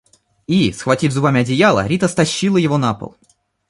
И, схватив зубами одеяло, Рита стащила его на пол.